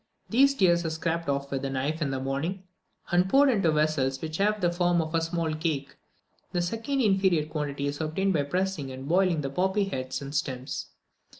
These tears are scraped off with a knife in the morning, and poured into vessels which have the form of a small cake. A second inferior quantity is obtained by pressing and boiling the poppy heads and stems.